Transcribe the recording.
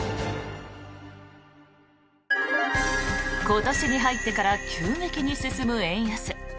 今年に入ってから急激に進む円安。